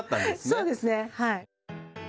そうですねはい。